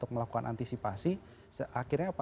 melakukan antisipasi akhirnya apa